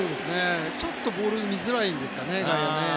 ちょっと外野ボール見づらいんですかね。